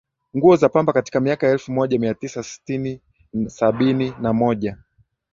nguo za pamba katika miaka ya elfu moja mia tisa sitini Sabini na moja